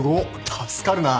助かるなぁ。